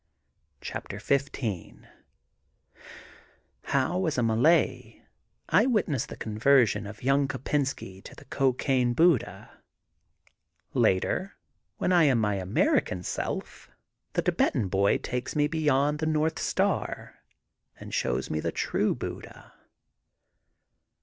'' CHAPTER XV HOW AS A MALAY I WITNESS THE CONVERSION OF YOUNG KOPBNSKY TO THE COCAINE BUDDHA, LATER WHEN I AM MY AMERICAN SELF THE THIBETAN BOY TAKES ME BEYOND THE NORTH STAR AND SHOWS ME THE TRUE BUDDHA.